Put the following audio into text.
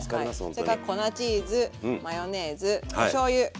それから粉チーズマヨネーズおしょうゆです以上。